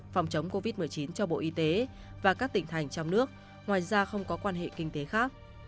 phòng chống covid một mươi chín cho bộ y tế và các tỉnh thành trong nước ngoài ra không có quan hệ kinh tế khác